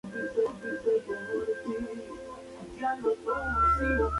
Fallecido en París, su cuerpo fue trasladado a Portugal.